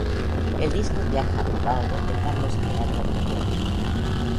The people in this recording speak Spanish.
El disco viaja a Bilbao donde Carlos Creator lo mezcla.